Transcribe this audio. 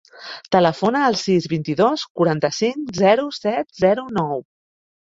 Telefona al sis, vint-i-dos, quaranta-cinc, zero, set, zero, nou.